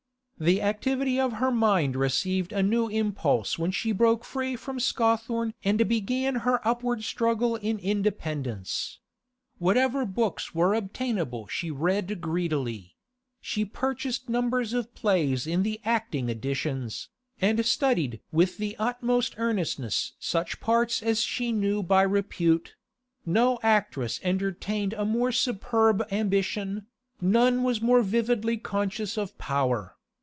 The activity of her mind received a new impulse when she broke free from Scawthorne and began her upward struggle in independence. Whatever books were obtainable she read greedily; she purchased numbers of plays in the acting editions, and studied with the utmost earnestness such parts as she knew by repute; no actress entertained a more superb ambition, none was more vividly conscious of power.